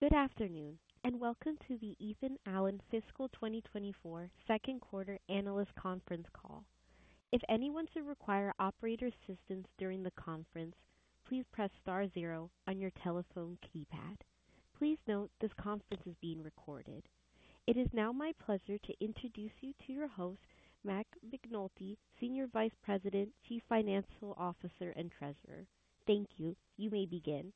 Good afternoon, and welcome to the Ethan Allen Fiscal 2024 Second Quarter Analyst Conference Call. If anyone should require operator assistance during the conference, please press star zero on your telephone keypad. Please note, this conference is being recorded. It is now my pleasure to introduce you to your host, Matt McNulty, Senior Vice President, Chief Financial Officer, and Treasurer. Thank you. You may begin.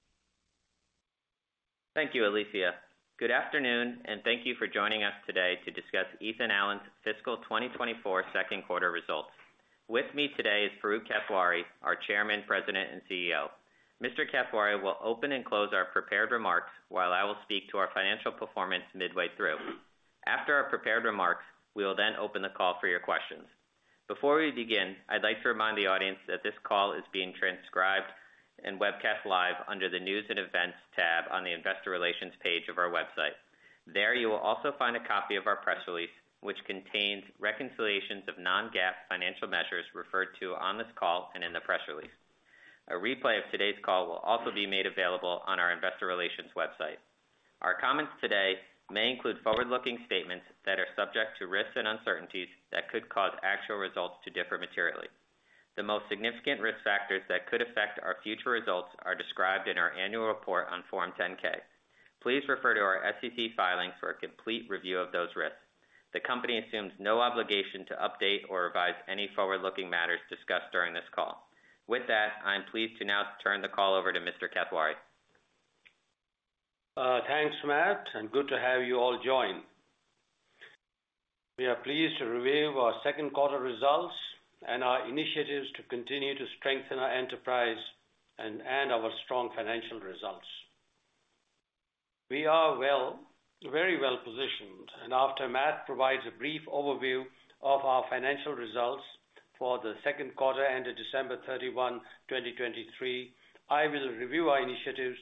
Thank you, Alicia. Good afternoon, and thank you for joining us today to discuss Ethan Allen's Fiscal 2024 Second Quarter Results. With me today is Farooq Kathwari, our Chairman, President, and CEO. Mr. Kathwari will open and close our prepared remarks, while I will speak to our financial performance midway through. After our prepared remarks, we will then open the call for your questions. Before we begin, I'd like to remind the audience that this call is being transcribed and webcast live under the News and Events tab on the Investor Relations page of our website. There, you will also find a copy of our press release, which contains reconciliations of non-GAAP financial measures referred to on this call and in the press release. A replay of today's call will also be made available on our investor relations website. Our comments today may include forward-looking statements that are subject to risks and uncertainties that could cause actual results to differ materially. The most significant risk factors that could affect our future results are described in our annual report on Form 10-K. Please refer to our SEC filings for a complete review of those risks. The company assumes no obligation to update or revise any forward-looking matters discussed during this call. With that, I'm pleased to now turn the call over to Mr. Kathwari. Thanks, Matt, and good to have you all join. We are pleased to review our second quarter results and our initiatives to continue to strengthen our enterprise and our strong financial results. We are very well positioned, and after Matt provides a brief overview of our financial results for the second quarter ended December 31, 2023, I will review our initiatives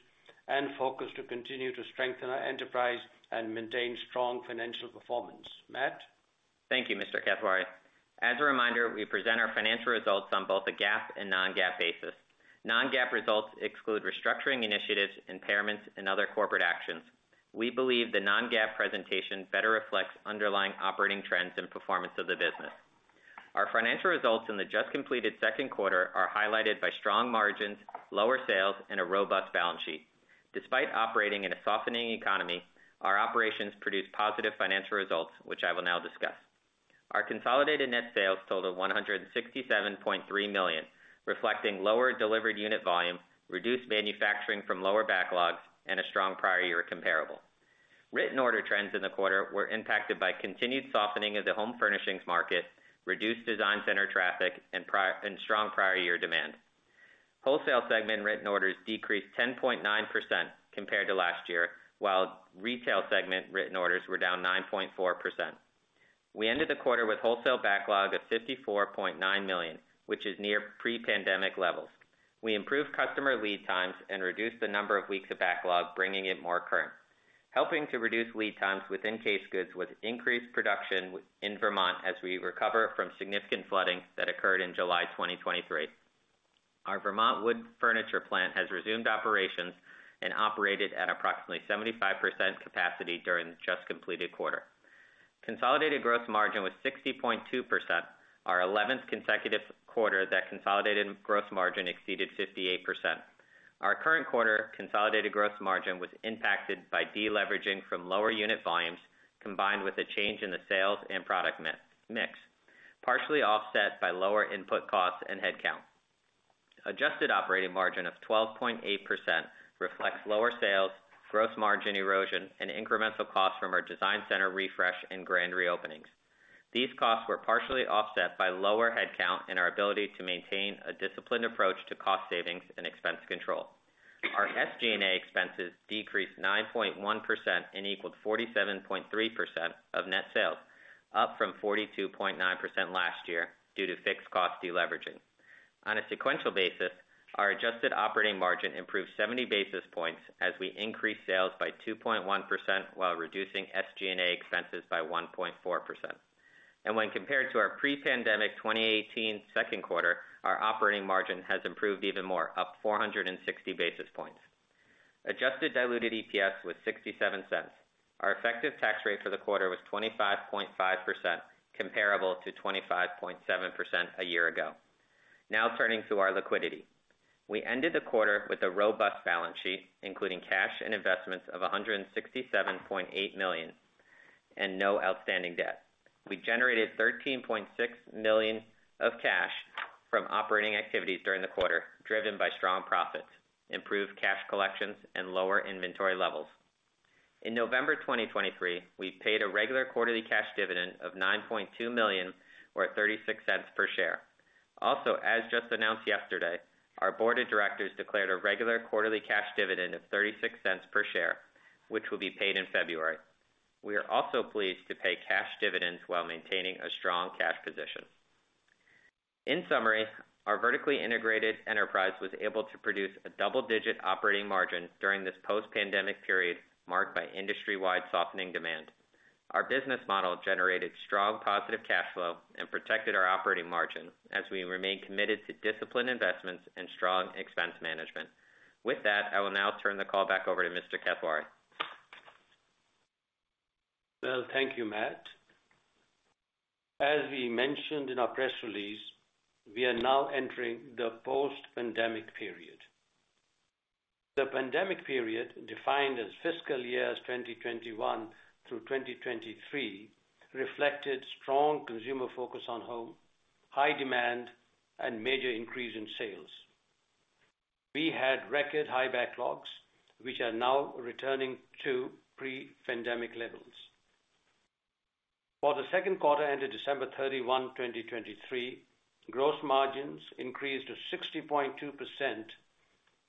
and focus to continue to strengthen our enterprise and maintain strong financial performance. Matt? Thank you, Mr. Kathwari. As a reminder, we present our financial results on both a GAAP and non-GAAP basis. Non-GAAP results exclude restructuring initiatives, impairments, and other corporate actions. We believe the non-GAAP presentation better reflects underlying operating trends and performance of the business. Our financial results in the just completed second quarter are highlighted by strong margins, lower sales, and a robust balance sheet. Despite operating in a softening economy, our operations produced positive financial results, which I will now discuss. Our consolidated net sales totaled $167.3 million, reflecting lower delivered unit volume, reduced manufacturing from lower backlogs, and a strong prior year comparable. Written order trends in the quarter were impacted by continued softening of the home furnishings market, reduced design center traffic, and prior and strong prior year demand. Wholesale segment written orders decreased 10.9% compared to last year, while retail segment written orders were down 9.4%. We ended the quarter with wholesale backlog of $54.9 million, which is near pre-pandemic levels. We improved customer lead times and reduced the number of weeks of backlog, bringing it more current, helping to reduce lead times within case goods with increased production in Vermont as we recover from significant flooding that occurred in July 2023. Our Vermont wood furniture plant has resumed operations and operated at approximately 75% capacity during the just completed quarter. Consolidated gross margin was 60.2%, our 11th consecutive quarter that consolidated gross margin exceeded 58%. Our current quarter consolidated gross margin was impacted by deleveraging from lower unit volumes, combined with a change in the sales and product mix, partially offset by lower input costs and headcount. Adjusted operating margin of 12.8% reflects lower sales, gross margin erosion, and incremental costs from our design center refresh and grand reopenings. These costs were partially offset by lower headcount and our ability to maintain a disciplined approach to cost savings and expense control. Our SG&A expenses decreased 9.1% and equaled 47.3% of net sales, up from 42.9% last year due to fixed cost deleveraging. On a sequential basis, our adjusted operating margin improved 70 basis points as we increased sales by 2.1% while reducing SG&A expenses by 1.4%. When compared to our pre-pandemic 2018 second quarter, our operating margin has improved even more, up 460 basis points. Adjusted diluted EPS was $0.67. Our effective tax rate for the quarter was 25.5%, comparable to 25.7% a year ago. Now turning to our liquidity. We ended the quarter with a robust balance sheet, including cash and investments of $167.8 million and no outstanding debt. We generated $13.6 million of cash from operating activities during the quarter, driven by strong profits, improved cash collections, and lower inventory levels. In November 2023, we paid a regular quarterly cash dividend of $9.2 million, or $0.36 per share. Also, as just announced yesterday, our board of directors declared a regular quarterly cash dividend of $0.36 per share, which will be paid in February. We are also pleased to pay cash dividends while maintaining a strong cash position. In summary, our vertically integrated enterprise was able to produce a double-digit operating margin during this post-pandemic period, marked by industry-wide softening demand. Our business model generated strong positive cash flow and protected our operating margin as we remain committed to disciplined investments and strong expense management. With that, I will now turn the call back over to Mr. Kathwari. Well, thank you, Matt. As we mentioned in our press release, we are now entering the post-pandemic period. The pandemic period, defined as fiscal years 2021 through 2023, reflected strong consumer focus on home, high demand, and major increase in sales. We had record high backlogs, which are now returning to pre-pandemic levels. For the second quarter, ended December 31, 2023, gross margins increased to 60.2%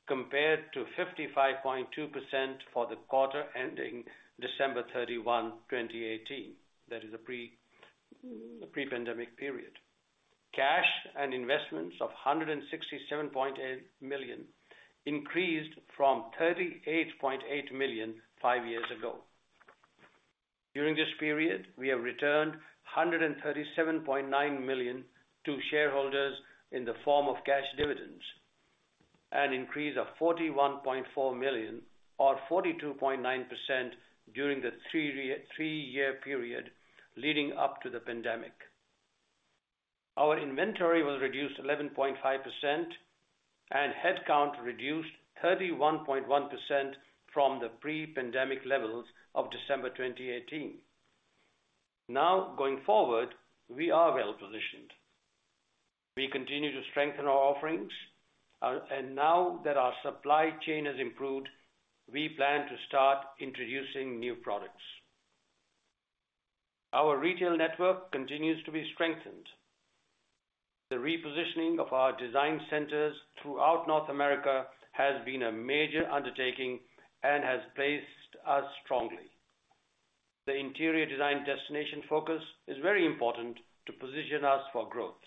compared to 55.2% for the quarter ending December 31, 2018. That is a pre, pre-pandemic period. Cash and investments of $167.8 million increased from $38.8 million five years ago. During this period, we have returned $137.9 million to shareholders in the form of cash dividends, an increase of $41.4 million or 42.9% during the three-year period leading up to the pandemic. Our inventory was reduced 11.5% and headcount reduced 31.1% from the pre-pandemic levels of December 2018. Now, going forward, we are well positioned. We continue to strengthen our offerings, and now that our supply chain has improved, we plan to start introducing new products. Our retail network continues to be strengthened. The repositioning of our design centers throughout North America has been a major undertaking and has placed us strongly. The interior design destination focus is very important to position us for growth.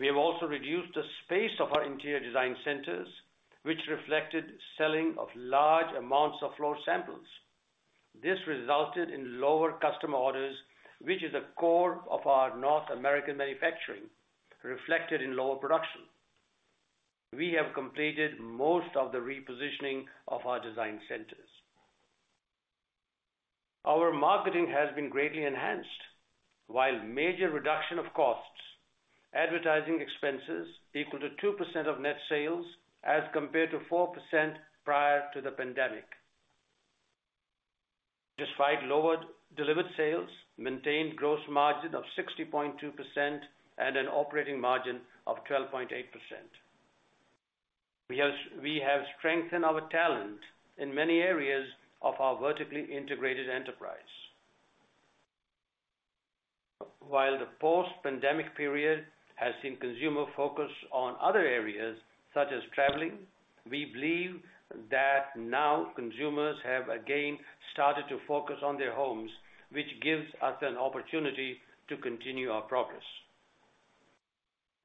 We have also reduced the space of our interior design centers, which reflected selling of large amounts of floor samples. This resulted in lower customer orders, which is a core of our North American manufacturing, reflected in lower production. We have completed most of the repositioning of our design centers. Our marketing has been greatly enhanced, while major reduction of costs, advertising expenses equal to 2% of net sales as compared to 4% prior to the pandemic. Despite lowered delivered sales, maintained gross margin of 60.2% and an operating margin of 12.8%. We have strengthened our talent in many areas of our vertically integrated enterprise. While the post-pandemic period has seen consumer focus on other areas, such as traveling, we believe that now consumers have again started to focus on their homes, which gives us an opportunity to continue our progress.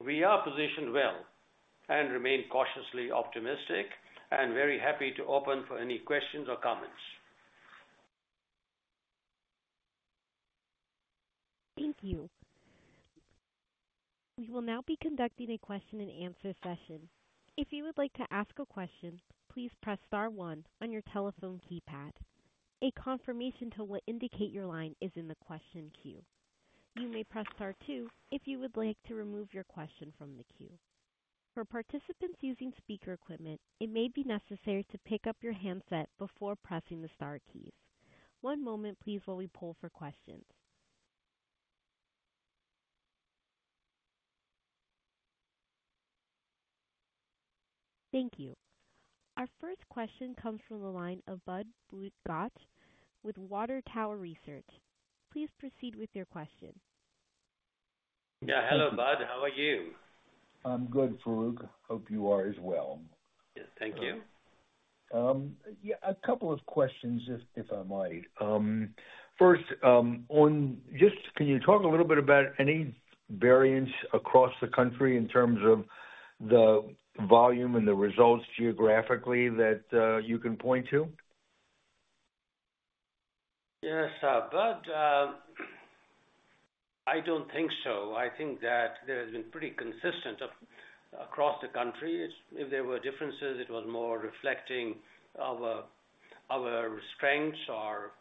We are positioned well and remain cautiously optimistic and very happy to open for any questions or comments. Thank you. We will now be conducting a question and answer session. If you would like to ask a question, please press star one on your telephone keypad. A confirmation tone will indicate your line is in the question queue. You may press star two if you would like to remove your question from the queue. For participants using speaker equipment, it may be necessary to pick up your handset before pressing the star keys. One moment, please, while we poll for questions. Thank you. Our first question comes from the line of Budd Bugatch with Water Tower Research. Please proceed with your question. Yeah. Hello, Budd, how are you? I'm good, Farooq. Hope you are as well. Yes, thank you. Yeah, a couple of questions, if I might. First, on just can you talk a little bit about any variance across the country in terms of the volume and the results geographically that you can point to? Yes, Budd, I don't think so. I think that there has been pretty consistent across the country. If there were differences, it was more reflecting our strengths or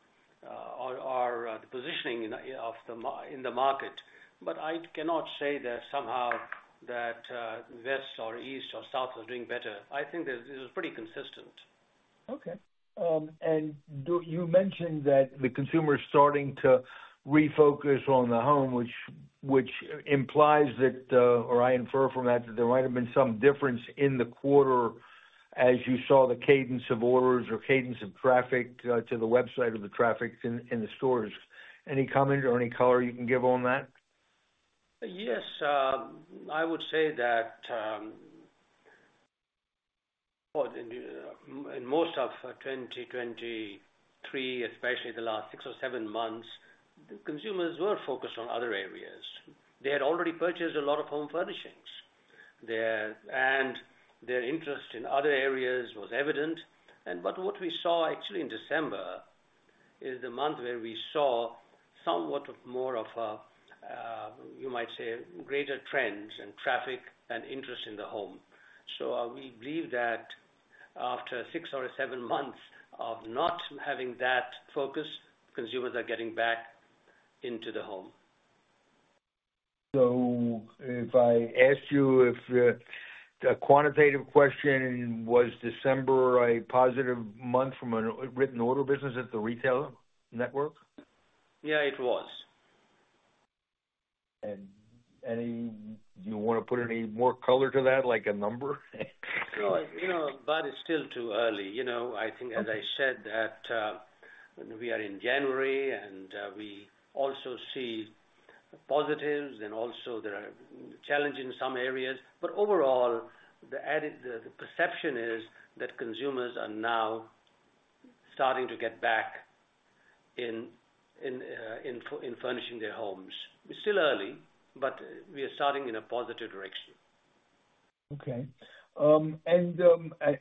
the positioning in the market. But I cannot say that somehow that west or east or south are doing better. I think this is pretty consistent. Okay. And you mentioned that the consumer is starting to refocus on the home, which implies that, or I infer from that, that there might have been some difference in the quarter as you saw the cadence of orders or cadence of traffic to the website or the traffic in the stores. Any comment or any color you can give on that? Yes, I would say that, well, in most of 2023, especially the last six or seven months, the consumers were focused on other areas. They had already purchased a lot of home furnishings there, and their interest in other areas was evident. But what we saw actually in December is the month where we saw somewhat of more of a, you might say, greater trends and traffic and interest in the home. So, we believe that after six or seven months of not having that focus, consumers are getting back into the home. So if I asked you if, a quantitative question, was December a positive month from a written order business at the retailer network? Yeah, it was. You wanna put any more color to that, like a number? No, you know, but it's still too early. You know, I think, as I said, that we are in January, and we also see positives and also there are challenges in some areas. But overall, the added perception is that consumers are now starting to get back in in furnishing their homes. It's still early, but we are starting in a positive direction. Okay. And,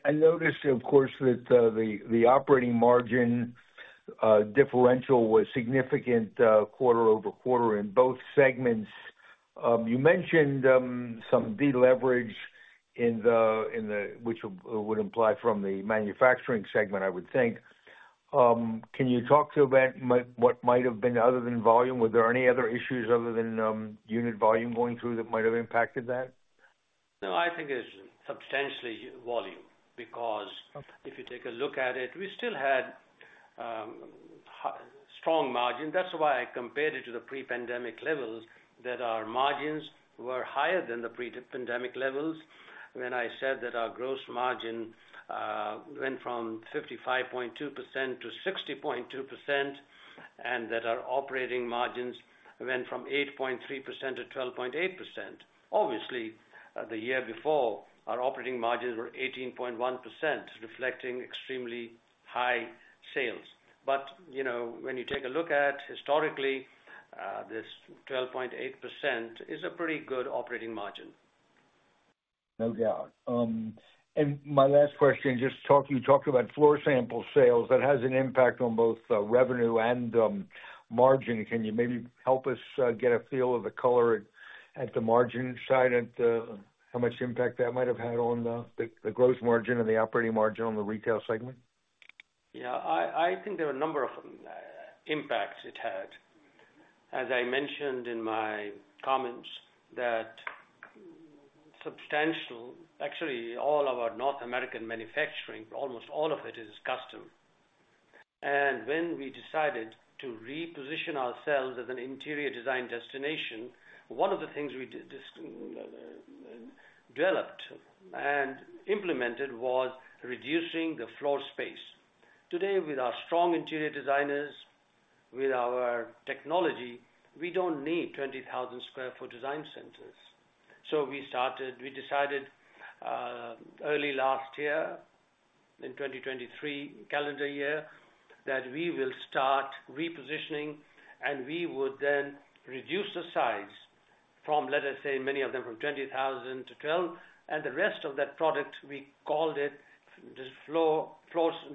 I noticed, of course, that the operating margin differential was significant QoQ in both segments. You mentioned some deleverage in the...which would imply from the manufacturing segment, I would think. Can you talk about what might have been other than volume? Were there any other issues other than unit volume going through that might have impacted that? No, I think it's substantially volume, because- Okay. If you take a look at it, we still had strong margin. That's why I compared it to the pre-pandemic levels, that our margins were higher than the pre-pandemic levels. When I said that our gross margin went from 55.2% to 60.2%, and that our operating margins went from 8.3% to 12.8%. Obviously, the year before, our operating margins were 18.1%, reflecting extremely high sales. But, you know, when you take a look at historically, this 12.8% is a pretty good operating margin. No doubt. And my last question, just talking, you talked about floor sample sales. That has an impact on both revenue and margin. Can you maybe help us get a feel of the color at the margin side and how much impact that might have had on the gross margin and the operating margin on the retail segment? Yeah, I think there are a number of impacts it had. As I mentioned in my comments, that substantial—Actually, all of our North American manufacturing, almost all of it, is custom. And when we decided to reposition ourselves as an interior design destination, one of the things we just developed and implemented was reducing the floor space. Today, with our strong interior designers, with our technology, we don't need 20,000 sq ft design centers. So we started, we decided early last year, in 2023 calendar year, that we will start repositioning, and we would then reduce the size from, let us say, many of them, from 20,000 sq ft to 12,000 sq ft, and the rest of that product, we called it the floor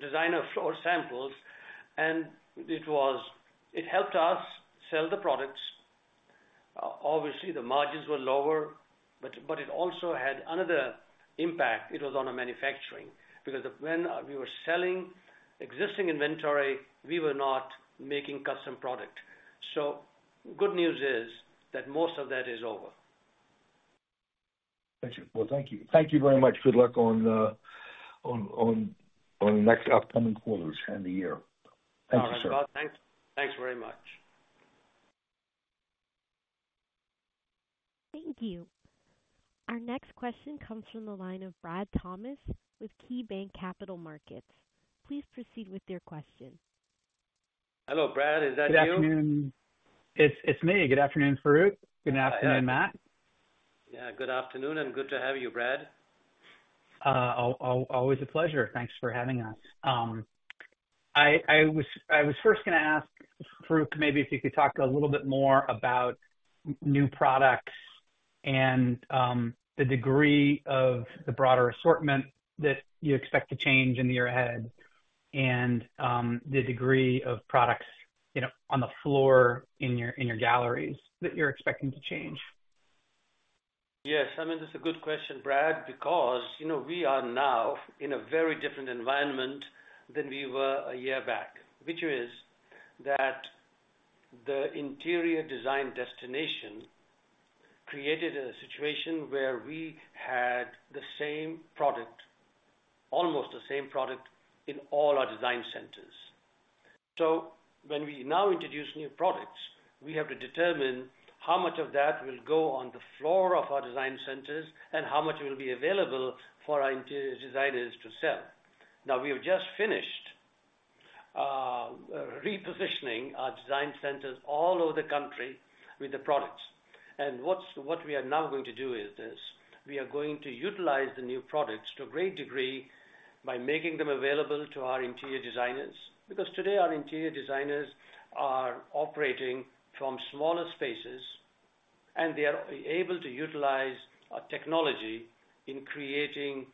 designer floor samples, and it was...it helped us sell the products. Obviously, the margins were lower, but it also had another impact. It was on our manufacturing, because when we were selling existing inventory, we were not making custom product. So good news is, that most of that is over. Thank you. Well, thank you. Thank you very much. Good luck on the next upcoming quarters and the year. Thank you, sir. All right, Budd, thanks. Thanks very much. Thank you. Our next question comes from the line of Brad Thomas with KeyBanc Capital Markets. Please proceed with your question. Hello, Brad, is that you? Good afternoon. It's me. Good afternoon, Farooq. Good afternoon, Matt. Yeah, good afternoon, and good to have you, Brad. Always a pleasure. Thanks for having us. I was first gonna ask, Farooq, maybe if you could talk a little bit more about new products and the degree of the broader assortment that you expect to change in the year ahead, and the degree of products, you know, on the floor in your galleries that you're expecting to change. Yes, I mean, that's a good question, Brad, because, you know, we are now in a very different environment than we were a year back, which is that the interior design destination created a situation where we had the same product, almost the same product, in all our design centers. So when we now introduce new products, we have to determine how much of that will go on the floor of our design centers and how much will be available for our interior designers to sell. Now, we have just finished repositioning our design centers all over the country with the products. And what we are now going to do is this: we are going to utilize the new products to a great degree by making them available to our interior designers. Because today, our interior designers are operating from smaller spaces, and they are able to utilize our technology in creating,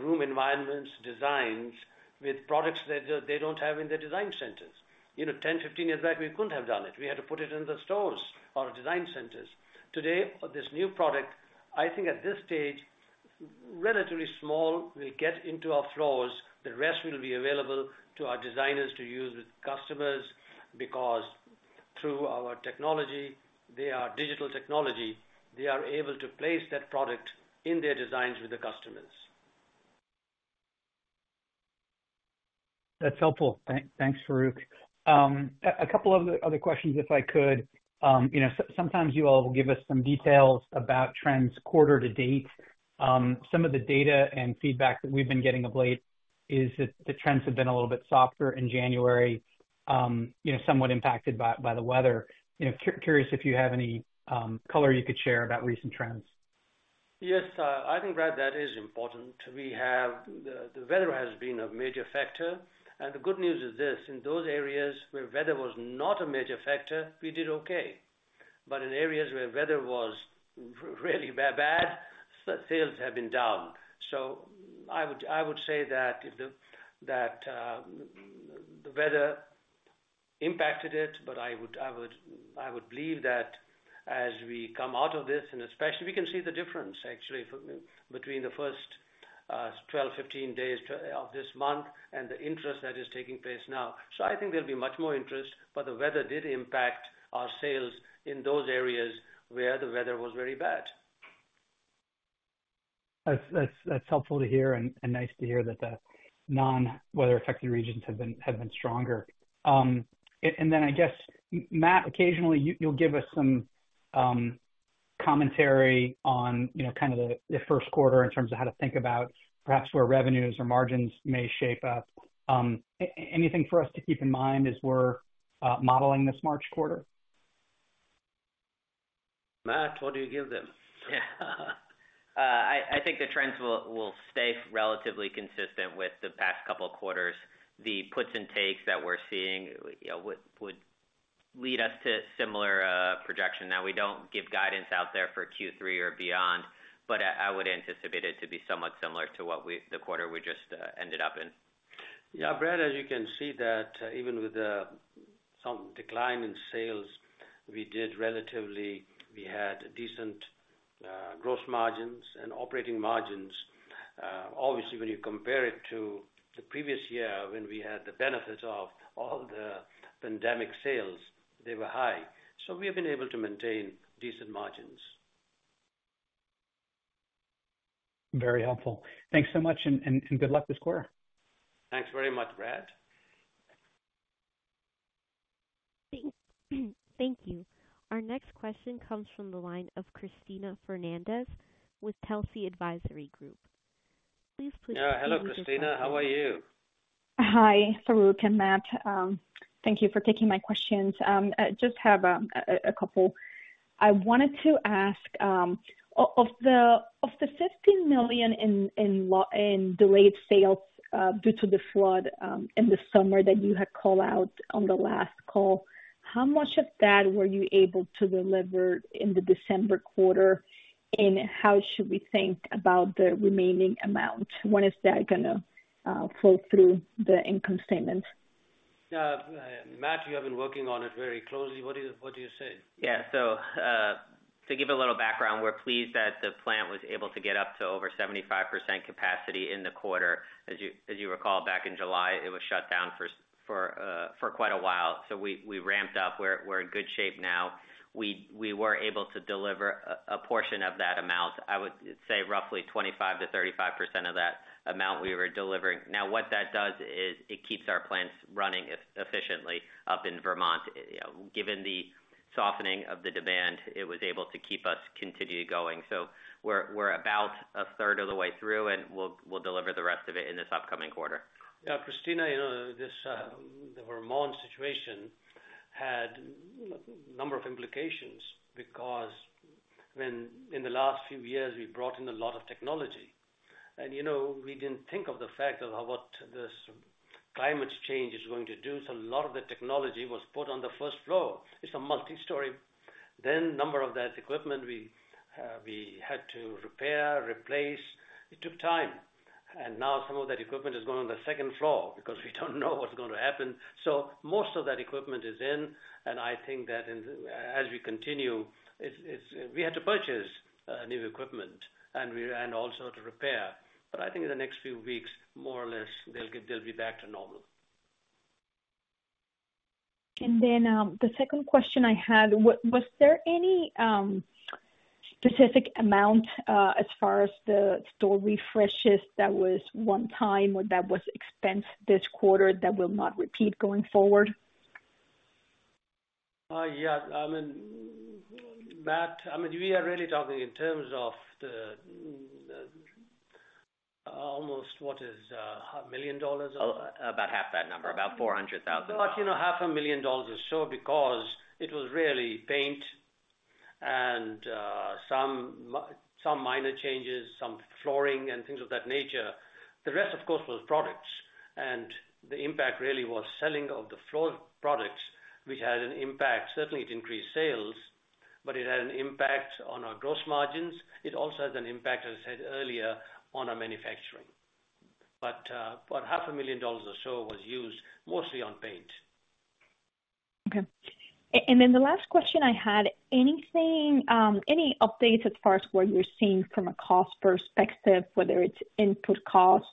room environments, designs with products that they, they don't have in their design centers. You know, 10, 15 years back, we couldn't have done it. We had to put it in the stores or design centers. Today, for this new product, I think at this stage, relatively small, will get into our floors. The rest will be available to our designers to use with customers, because through our technology, they are digital technology, they are able to place that product in their designs with the customers. That's helpful. Thanks, Farooq. A couple of the other questions, if I could. You know, sometimes you all will give us some details about trends quarter to date. Some of the data and feedback that we've been getting of late is that the trends have been a little bit softer in January, you know, somewhat impacted by the weather. You know, curious if you have any color you could share about recent trends. Yes, I think, Brad, that is important. We have—the weather has been a major factor, and the good news is this: in those areas where weather was not a major factor, we did okay. But in areas where weather was really bad, sales have been down. So I would say that the weather impacted it, but I would believe that as we come out of this, and especially, we can see the difference actually between the first 12, 15 days of this month and the interest that is taking place now. So I think there'll be much more interest, but the weather did impact our sales in those areas where the weather was very bad. That's helpful to hear and nice to hear that the non-weather affected regions have been stronger. And then I guess, Matt, occasionally you'll give us some commentary on, you know, kind of the first quarter in terms of how to think about perhaps where revenues or margins may shape up. Anything for us to keep in mind as we're modeling this March quarter? Matt, what do you give them? I think the trends will stay relatively consistent with the past couple of quarters. The puts and takes that we're seeing, you know, would lead us to similar projection. Now, we don't give guidance out there for Q3 or beyond, but I would anticipate it to be somewhat similar to the quarter we just ended up in. Yeah, Brad, as you can see that even with the some decline in sales, we did relatively... We had decent gross margins and operating margins. Obviously, when you compare it to the previous year, when we had the benefit of all the pandemic sales, they were high. So we have been able to maintain decent margins. Very helpful. Thanks so much, and good luck this quarter. Thanks very much, Brad. Thank you. Our next question comes from the line of Cristina Fernández with Telsey Advisory Group. Please put- Hello, Cristina. How are you? Hi, Farooq and Matt. Thank you for taking my questions. I just have a couple. I wanted to ask of the $15 million in delayed sales due to the flood in the summer that you had called out on the last call, how much of that were you able to deliver in the December quarter? And how should we think about the remaining amount? When is that gonna flow through the income statement? Matt, you have been working on it very closely. What do you, what do you say? Yeah. So, to give a little background, we're pleased that the plant was able to get up to over 75% capacity in the quarter. As you recall, back in July, it was shut down for quite a while. So we ramped up. We're in good shape now. We were able to deliver a portion of that amount. I would say roughly 25%-35% of that amount we were delivering. Now, what that does is it keeps our plants running efficiently up in Vermont. You know, given the softening of the demand, it was able to keep us continue going. So we're about a third of the way through, and we'll deliver the rest of it in this upcoming quarter. Yeah, Cristina, you know, this, the Vermont situation had number of implications because when in the last few years, we brought in a lot of technology. And, you know, we didn't think of the fact of what this climate change is going to do. So a lot of the technology was put on the first floor. It's a multistory. Then number of that equipment we, we had to repair, replace. It took time, and now some of that equipment is going on the second floor because we don't know what's going to happen. So most of that equipment is in, and I think that in, as we continue, it's, it's we had to purchase new equipment and we and also to repair. But I think in the next few weeks, more or less, they'll be back to normal. Then, the second question I had: Was there any specific amount, as far as the store refreshes, that was one time or that was expensed this quarter that will not repeat going forward? Yeah. I mean, Matt, I mean, we are really talking in terms of the, almost what is $500,000? Oh, about half that number, about $400,000. But, you know, $500,000 or so, because it was really paint and some minor changes, some flooring and things of that nature. The rest, of course, was products, and the impact really was selling of the floor products, which had an impact. Certainly, it increased sales, but it had an impact on our gross margins. It also has an impact, as I said earlier, on our manufacturing. But, about $500,000 or so was used mostly on paint. Okay. And then the last question I had, anything, any updates as far as what you're seeing from a cost perspective, whether it's input costs,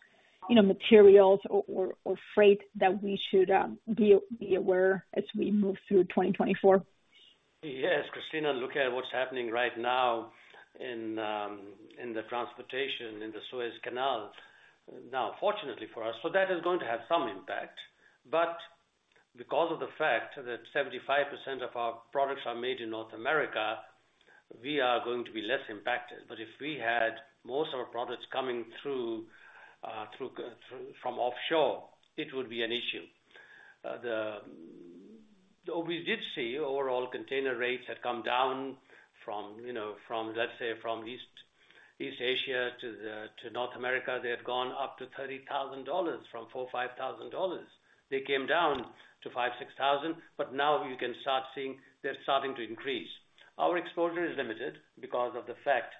you know, materials or, or, or freight, that we should be aware as we move through 2024? Yes, Cristina, look at what's happening right now in the transportation, in the Suez Canal. Now, fortunately for us, so that is going to have some impact, but because of the fact that 75% of our products are made in North America, we are going to be less impacted. But if we had most of our products coming through from offshore, it would be an issue. We did see overall container rates had come down from, you know, from, let's say, from East Asia to North America. They had gone up to $30,000 from $4,000-$5,000. They came down to $5,000-$6,000, but now you can start seeing they're starting to increase. Our exposure is limited because of the fact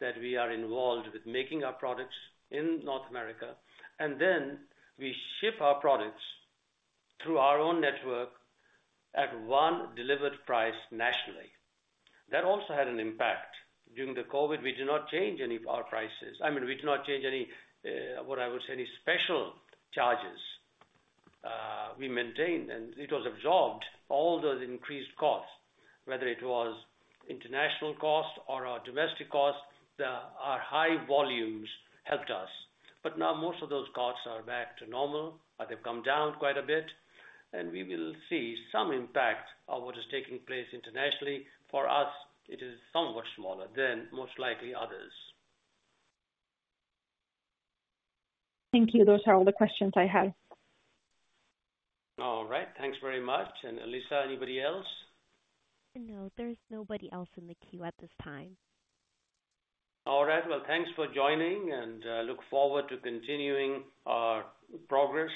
that we are involved with making our products in North America, and then we ship our products through our own network at one delivered price nationally. That also had an impact. During the COVID, we did not change any of our prices. I mean, we did not change any, what I would say, any special charges. We maintained, and it was absorbed, all those increased costs, whether it was international costs or our domestic costs, our high volumes helped us. But now most of those costs are back to normal, or they've come down quite a bit, and we will see some impact of what is taking place internationally. For us, it is somewhat smaller than most likely others. Thank you. Those are all the questions I had. All right. Thanks very much. And Alicia, anybody else? No, there's nobody else in the queue at this time. All right. Well, thanks for joining, and look forward to continuing our progress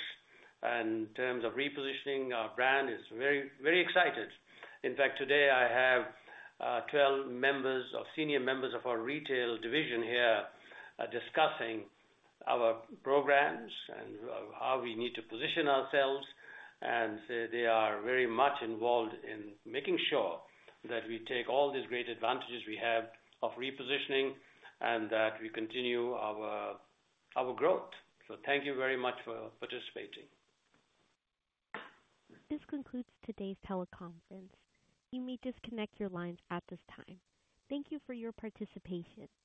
in terms of repositioning our brand. It's very, very excited. In fact, today I have 12 members or senior members of our retail division here, discussing our programs and how we need to position ourselves. And they are very much involved in making sure that we take all these great advantages we have of repositioning, and that we continue our growth. So thank you very much for participating. This concludes today's teleconference. You may disconnect your lines at this time. Thank you for your participation.